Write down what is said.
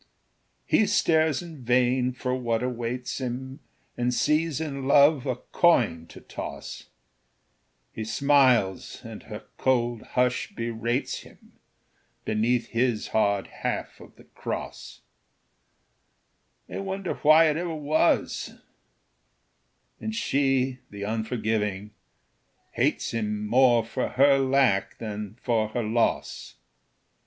He stares in vain for what awaits him, And sees in Love a coin to toss; He smiles, and her cold hush berates him Beneath his hard half of the cross; They wonder why it ever was; And she, the unforgiving, hates him More for her lack than for her loss.